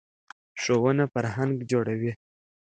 ښوونه فرهنګ جوړوي.